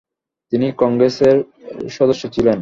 তিনি কংগ্রেসের সদস্য ছিলেন।